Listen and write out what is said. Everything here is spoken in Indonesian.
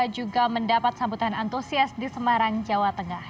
juga mendapat sambutan antusias di semarang jawa tengah